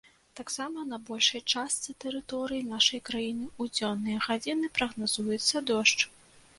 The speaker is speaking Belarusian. Таксама на большай частцы тэрыторыі нашай краіны ў дзённыя гадзіны прагназуецца дождж.